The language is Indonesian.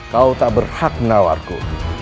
kau tak berhak menawarku